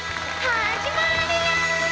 始まるよ！